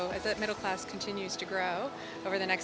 jadi sejak middle class terus berkembang